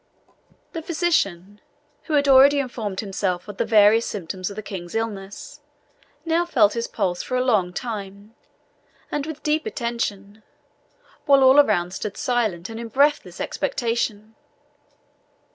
The physician, who had already informed himself of the various symptoms of the King's illness, now felt his pulse for a long time, and with deep attention, while all around stood silent, and in breathless expectation.